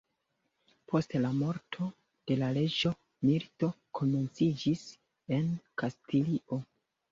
Post la morto de la reĝo, milito komenciĝis en Kastilio.